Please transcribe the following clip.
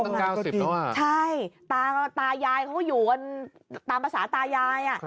อยู่ตั้ง๙๐แล้วอ่ะใช่ตายายเขาอยู่ตามภาษาตายาย